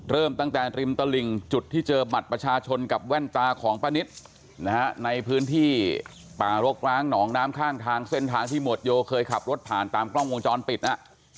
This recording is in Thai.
เริ่มตั้งแต่ริมตลิ่งจุดที่เจอบัตรประชาชนกับแว่นตาของป้านิตนะฮะในพื้นที่ป่ารกร้างหนองน้ำข้างทางเส้นทางที่หมวดโยเคยขับรถผ่านตามกล้องวงจรปิดน่ะ